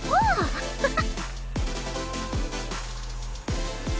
ハハハ。